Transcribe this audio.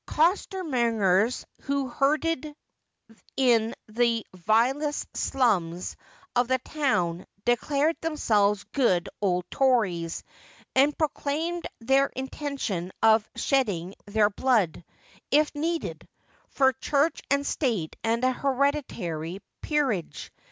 Costei mongers who herded in the vilest slums Lizzie's Failure. 345 of the town declared themselves good old Tories, and proclaimed their intention of shedding their blood, if needful, for Church and State and a hereditary peerage.